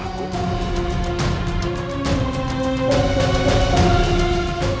untuk slot tim sai